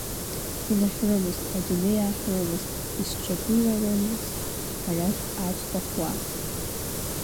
Инаҳәрымызт, адунеи ааҳәрымызт, исҿагыларымызт арахь ацқәа хуа.